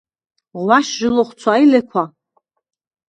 ღვაშ ჟი ლოხცვა ი ლექვა.